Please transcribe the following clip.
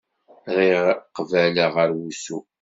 Rriɣ qbala ɣer wusu.